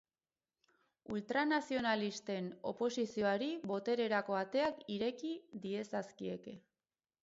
Ultranazionalisten oposizioari botererako ateak ireki diezazkieke.